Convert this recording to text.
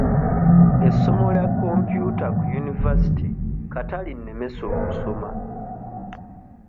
Essomo lya komputa ku yunivasite kata linnemese okusoma.